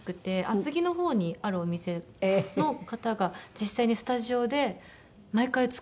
厚木のほうにあるお店の方が実際にスタジオで毎回作ってくださって。